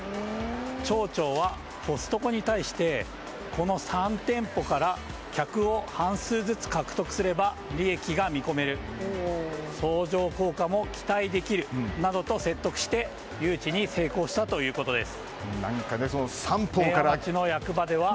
町長はコストコに対してこの３店舗から客を半数ずつ獲得すれば利益が見込める相乗効果も期待できるなどと説得して誘致に成功したということです。